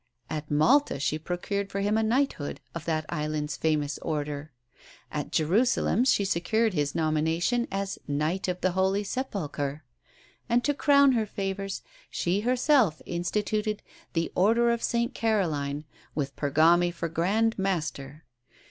At Malta she procured for him a knighthood of that island's famous order; at Jerusalem she secured his nomination as Knight of the Holy Sepulchre; and, to crown her favours, she herself instituted the Order of St Caroline, with Pergami for Grand Master.